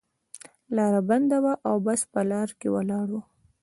لاره بنده وه او بس په لار کې ولاړ و.